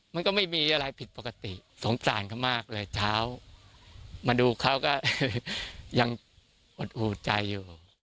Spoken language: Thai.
มันก็ไม่มีอะไรผิดปกติสงสารเขามากเลยเช้ามาดูเขาก็ยังอดหูใจอยู่